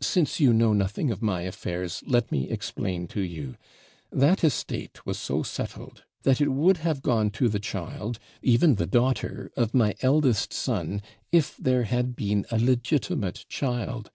Since you know nothing of my affairs, let me explain to you; that estate was so settled, that it would have gone to the child, even the daughter of my eldest son, if there had been a legitimate child.